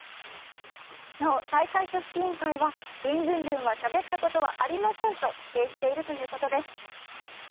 なお大会組織委員会はビンドゥンドゥンはしゃべったことはありませんと否定しているということです。